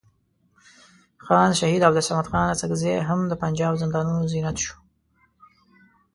خان شهید عبدالصمد خان اڅکزی هم د پنجاب زندانونو زینت شو.